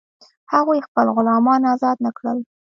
هغوی خپل غلامان آزاد نه کړل.